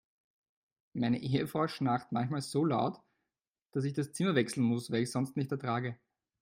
Meine Ehefrau schnarcht manchmal so laut, dass ich das Zimmer wechseln muss, weil ich es sonst nicht ertrage.